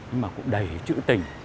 nhưng mà cũng đầy chữ tình